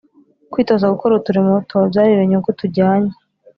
kwitoza gukora uturimo tubabyarira inyungu tujyanye